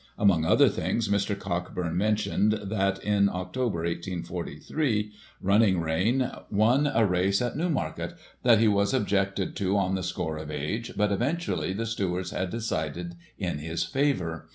Among other things, Mr. Cockburn mentioned that, in October, 1843, Digitized by Google 248 GOSSIP. [1844 Running Rein won a race at Newmarket ; that he was ob jected to on the score of age ; but, eventually, the stewards had decided in his favour.